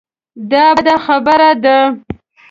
دا بده خبره ده.